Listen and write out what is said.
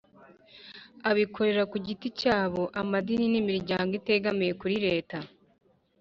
abikorera ku giti cyabo, amadini n'imiryango itegamiye kuri leta